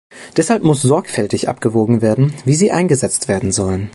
Deshalb muss sorgfältig abgewogen werden, wie sie eingesetzt werden sollen.